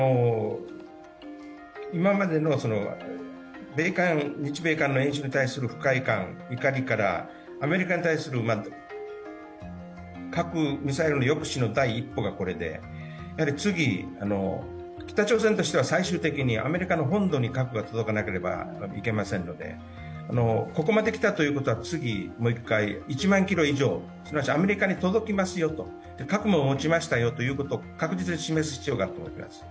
今までの米韓、日米韓の演習に対する不快感、怒りから、アメリカに対する核・ミサイルの抑止の第一歩がこれで次、北朝鮮としては最終的にアメリカの本土に核が届かなければいけませんのでここまで来たということは、次にもう一回１万キロ以上、すなわちアメリカに届きますよと、核も持ちましたよということを確実に示す必要があると思います。